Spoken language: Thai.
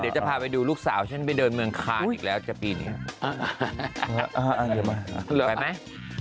เดี๋ยวจะพาไปดูลูกสาวฉันไปเดินเมืองคานอีกแล้วจะปีนี้ไปไหม